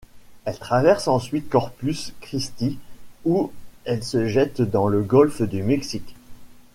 Elle traverse ensuite Corpus Christi où elle se jette dans le golfe du Mexique.